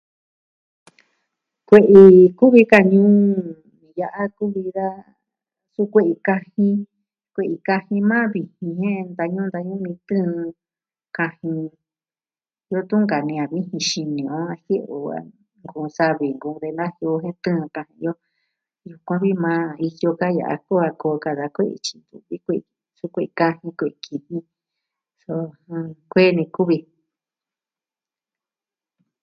Kue'i kuvi kajin ya'a kuvi da suu kue'i kajin. Kue'i kajin maa vijin. Jen, ntañu'un ntañu'un ni tɨɨn kajin iyo tun nkanii a vijin xino o a jie'e o a kuun savi nku de naa a ku jen tɨɨn kajin o. Yukuan vi maa iyo ka ya'a ku a koo ka da koo ityi ntu vi kue'i. Su kue'i kajin kue'i kijin. Suu kue'i ni kuvi.